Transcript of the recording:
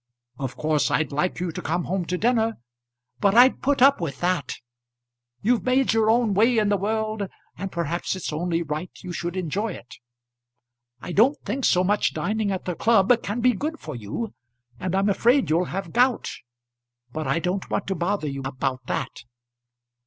Of course I'd like you to come home to dinner, but I'd put up with that. You've made your own way in the world, and perhaps it's only right you should enjoy it. I don't think so much dining at the club can be good for you, and I'm afraid you'll have gout, but I don't want to bother you about that.